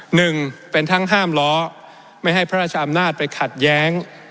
หนึ่งเป็นทั้งห้ามล้อไม่ให้พระราชอำนาจไปขัดแย้ง